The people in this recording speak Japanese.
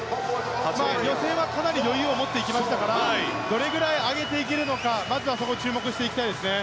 予選はかなり余裕を持っていけましたからどれぐらい上げていけるのかまずはそこに注目していきたいですね。